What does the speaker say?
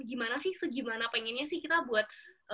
gimana sih segimana pengennya sih kita buat